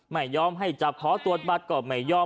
ไม่ยอมให้จับขอตรวจบัตรก็ไม่ยอม